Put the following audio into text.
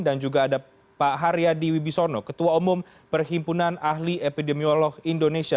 juga ada pak haryadi wibisono ketua umum perhimpunan ahli epidemiolog indonesia